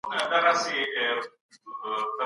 باسواده شخص هېڅکله د نورو په حق کي ظلم نه کوي.